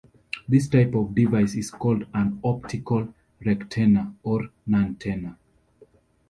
This type of device is called an "optical rectenna" or "nantenna".